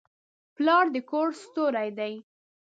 پلار د کور ستوری دی.